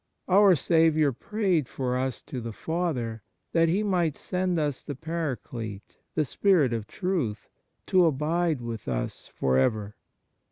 Our Saviour prayed for us to the Father that He might send us the Paraclete, the Spirit of Truth, to abide with us for ever.